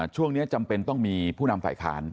ช่วงนี้จำเป็นต้องมีผู้นำฝ่ายค้าน